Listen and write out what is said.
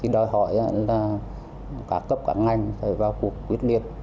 đòi hỏi cả cấp cả ngành phải vào cuộc quyết liệt